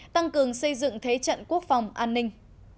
tăng cường xây dựng thế trận quốc phòng an ninh